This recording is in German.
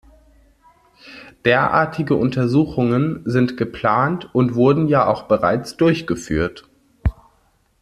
Derartige Untersuchungen sind geplant und wurden ja auch bereits durchgeführt.